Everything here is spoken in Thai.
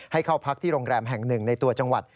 ให้เข้าพักที่โรงแรมแห่งหนึ่งในตัวจังหวัด